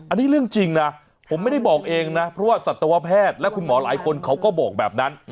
อันนี้เรื่องจริงนะผมไม่ได้บอกเองนะเพราะว่าสัตวแพทย์และคุณหมอหลายคนเขาก็บอกแบบนั้น